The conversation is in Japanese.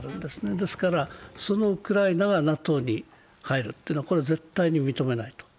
ですから、そのウクライナがＮＡＴＯに入るというのは絶対に認めない。